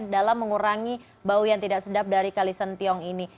dalam mengurangi bau yang tidak sedap dari kalisentiong ini